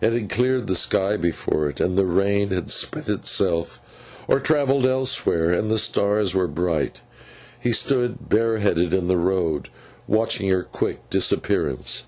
It had cleared the sky before it, and the rain had spent itself or travelled elsewhere, and the stars were bright. He stood bare headed in the road, watching her quick disappearance.